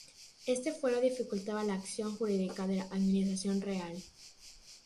Este fuero dificultaba la acción jurídica de la administración real.